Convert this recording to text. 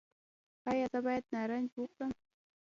ایا زه باید نارنج وخورم؟